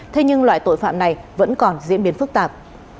thế nhưng loại tội phạm này vẫn còn diễn biến phức tạp